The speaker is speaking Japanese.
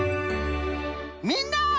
みんな！